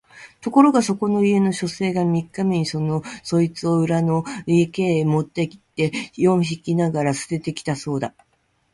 ところがそこの家の書生が三日目にそいつを裏の池へ持って行って四匹ながら棄てて来たそうだ